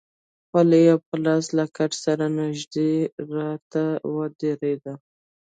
خولۍ په لاس له کټ سره نژدې راته ودرېد.